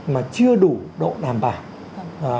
mà chưa đủ độ đảm bảo